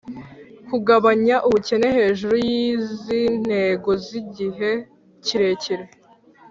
kugabanya ubukene hejuru y'izi ntego z'igihe kirekire,